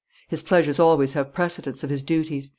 His pleasures always have precedence of his duties.